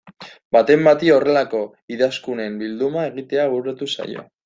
Baten bati horrelako idazkunen bilduma egitea bururatu zaio.